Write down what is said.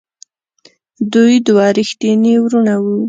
دوی دوه ریښتیني وروڼه وو.